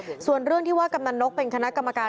พตรพูดถึงเรื่องนี้ยังไงลองฟังกันหน่อยค่ะ